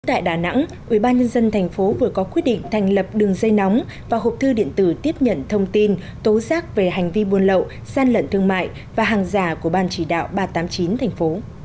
tại đà nẵng ubnd tp vừa có quyết định thành lập đường dây nóng và hộp thư điện tử tiếp nhận thông tin tố giác về hành vi buôn lậu gian lận thương mại và hàng giả của ban chỉ đạo ba trăm tám mươi chín tp